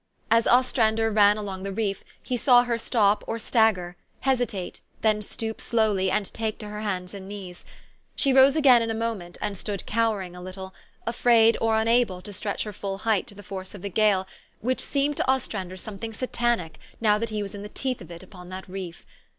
As Ostrander ran along the reef, he saw her stop or stagger, hesitate, then stoop slowly, and take to her hands and knees. She rose again in a moment, and stood cowering a little, afraid or unable to stretch her full height to the force of the gale, which seemed to Ostrander something satanic, now that he was in the teeth of it upon that reef.